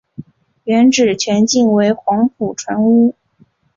原址全境为黄埔船坞。